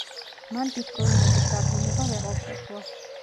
მან ბიტკოინების დაბრუნება ვეღარ შეძლო.